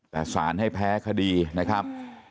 แต่สารให้แพ้คดีนะครับ